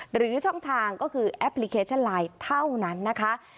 หรือช่องทางก็คือแอปพลิเคชันไลน์เท่านั้นนะคะ